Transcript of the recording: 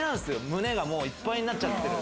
胸がもういっぱいになっちゃってる。